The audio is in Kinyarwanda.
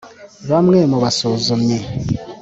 bamwe mu basuzumyi